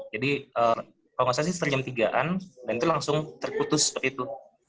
jadi kalau gak salah setelah jam tiga an dan itu langsung terputus seperti itu